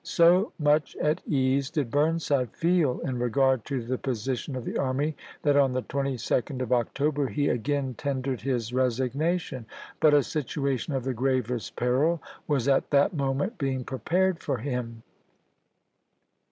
So much at ease did Burnside feel in regard to the position of the army that on the 22d of October he again tendered his resignation. But a situation of the gravest peril was at that moment being prepared for him.